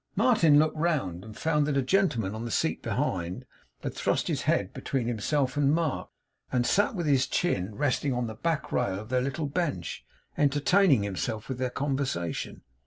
Martin looked round, and found that a gentleman, on the seat behind, had thrust his head between himself and Mark, and sat with his chin resting on the back rail of their little bench, entertaining himself with their conversation.